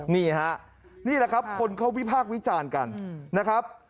นี่แหละครับคนเขาวิภาควิจารณ์กันนะครับ